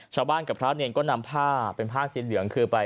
ชาวบ้านกับพระเนรก็นำผ้าเป็นผ้าสีเหลืองคือไป